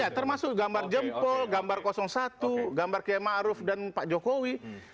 ya termasuk gambar jempol gambar satu gambar km a'ruf dan pak jokowi